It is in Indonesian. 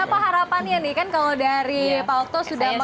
dan apa harapannya nih kan kalau dari pak otto sudah mengatakan